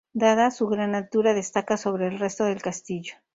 Dada su gran altura, destaca sobre el resto del castillo.